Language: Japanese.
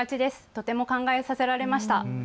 とても考えさせられました。